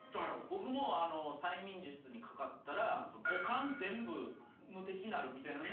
僕も催眠術にかかったら「五感全部無敵になる」みたいな。